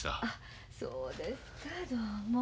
そうですかどうも。